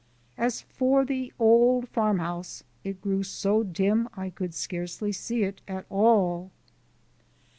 As for the old farmhouse, it grew so dim I could scarcely see it at all!